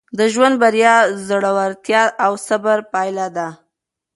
د ژوند بریا د زړورتیا او صبر پایله ده.